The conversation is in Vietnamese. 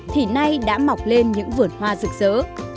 thì đã mọc lên những vườn hoa rực rỡ